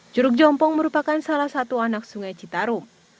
curug jompong merupakan salah satu anak sungai citarum